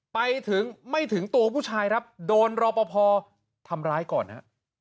ไปถึงไม่ถึงตัวผู้ชายครับโดนรอปภทำร้ายก่อนนะฮะ